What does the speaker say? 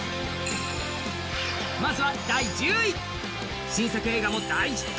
まずは第１０位、新作映画も大ヒット